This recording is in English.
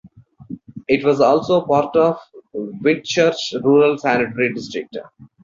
It was also part of Whitchurch rural sanitary district.